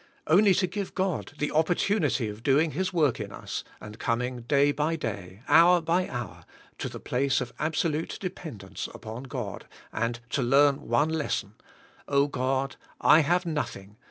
Only to g ive God the opportunity of do ing His work in us, and coming day by day, hour by hour, to the place of absolute dependence upon God, and to learn one lesson. *'0h! God, I have noth ing.